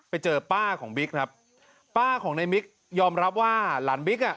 ไปเจอป้าของบิ๊กครับป้าของในบิ๊กยอมรับว่าหลานบิ๊กอ่ะ